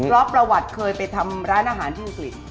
เพราะประวัติเคยไปทำร้านอาหารที่อังกฤษ